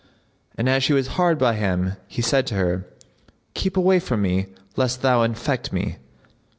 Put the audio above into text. And as she was hard by him he said to her, "Keep away from me, lest thou infect me."